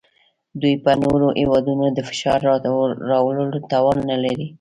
دوی په نورو هیوادونو د فشار راوړلو توان نلري